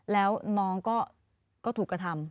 แล้วน้องก็ถูกกระทำ